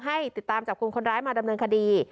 ให้ติดตามจับกลุ่มคนร้ายมาดำเนินคดี